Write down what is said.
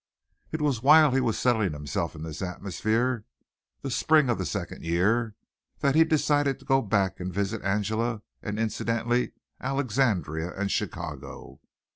It was while he was settling himself in this atmosphere the spring of the second year that he decided to go back and visit Angela and incidentally Alexandria and Chicago.